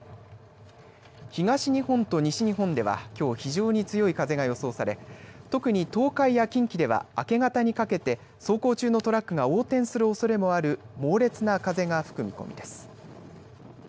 東日本と西日本ではきょう非常に強い風が予想され特に東海や近畿では明け方にかけて走行中のトラックが横転するおそれもある猛烈な風が吹く見込みです。